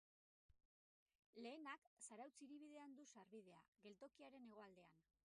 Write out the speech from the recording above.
Lehenak Zarautz hiribidean du sarbidea, geltokiaren hegoaldean.